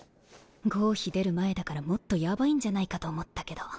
合否出る前だからもっとやばいんじゃないかと思ったけど。